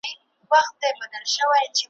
لوی وجود ته یې زمری پاچا حیران سو `